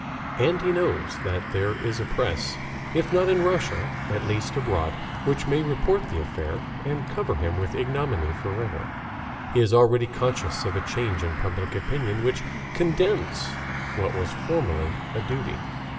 And he knows that there is a press, if not in Russia, at least abroad, which may report the affair and cover him with ignominy forever. He is already conscious of a change in public opinion which condemns what was formerly a duty.